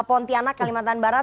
pontianak kalimantan barat